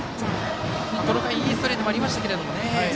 この回、いいストレートもありましたけどね。